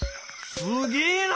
すげえな！